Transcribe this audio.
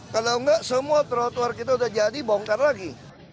kalau enggak semua trotoar kita sudah jadi bongkar lagi